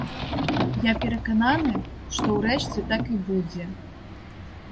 Я перакананы, што ўрэшце так і будзе.